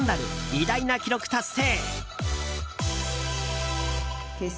偉大な記録達成。